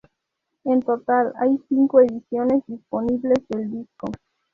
En total, hay cinco ediciones disponibles del disco.